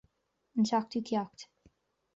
An seachtú ceacht